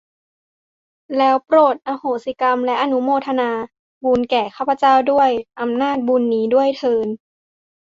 แล้วโปรดอโหสิกรรม และอนุโมทนาบุญแก่ข้าพเจ้าด้วยอำนาจบุญนี้ด้วยเทอญ